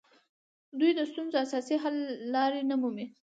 دوی د ستونزو اساسي حل لارې نه مومي